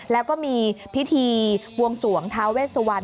แล้วก็มีพิธีวงศวงทาเวสวร